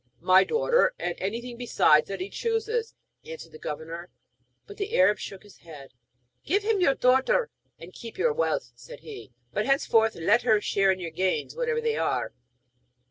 'My daughter and anything besides that he chooses,' answered the governor. But the Arab shook his head. 'Give him your daughter and keep your wealth,' said he; 'but, henceforward, let her share in your gains, whatever they are.'